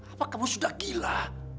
apa kamu sudah gila